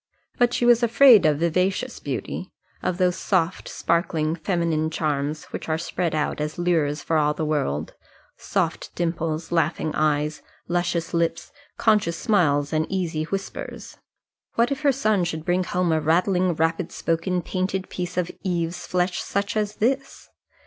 But she was afraid of vivacious beauty, of those soft, sparkling feminine charms which are spread out as lures for all the world, soft dimples, laughing eyes, luscious lips, conscious smiles, and easy whispers. What if her son should bring her home a rattling, rapid spoken, painted piece of Eve's flesh such as this?